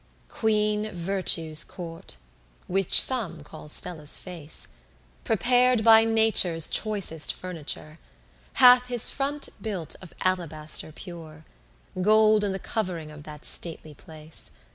9 Queen Virtue's court, which some call Stella's face, Prepar'd by Nature's choicest furniture, Hath his front built of alabaster pure; Gold in the covering of that stately place.